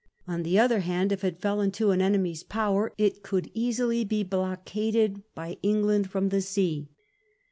On the other hand, if it fell into an enemy's power, it could easily be blockaded by England from the sea.